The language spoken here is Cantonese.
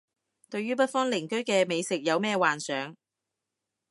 對於北方鄰居嘅美食冇咩幻想